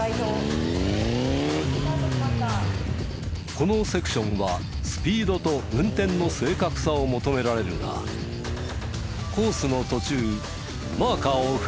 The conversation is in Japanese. このセクションはスピードと運転の正確さを求められるがコースの途中マーカーを踏んでしまった！